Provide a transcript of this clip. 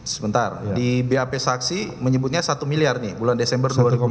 sebentar di bap saksi menyebutnya satu miliar nih bulan desember dua ribu empat belas